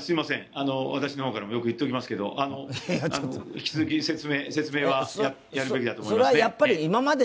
すいません、私の方からもよく言っておきますけれども、引き続き説明はやるべきだと思いますね。